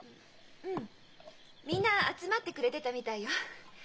うんみんな集まってくれてたみたいよ。